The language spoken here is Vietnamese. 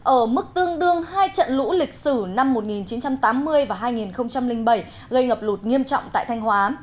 ở mức tương đương hai trận lũ lịch sử năm một nghìn chín trăm tám mươi và hai nghìn bảy gây ngập lụt nghiêm trọng tại thanh hóa